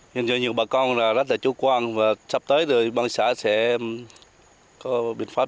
nhưng do nhiều bà con rất là chủ quan và sắp tới rồi bà con xã sẽ có biện pháp